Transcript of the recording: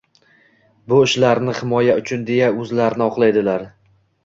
Bu ishlarini “himoya uchun”, deya o‘zlarini oqlaydilar.